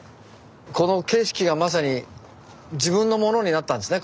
この景色がまさに自分のものになったんですね。